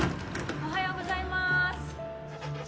おはようございます